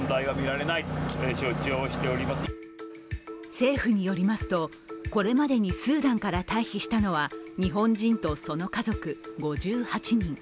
政府によりますと、これまでにスーダンから退避したのは日本人とその家族５８人。